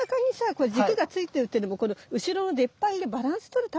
これ軸がついてるっていうのもこの後ろの出っ張りのバランス取るためでもあるんだよね。